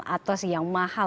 atau yang mahal